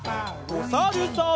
おさるさん。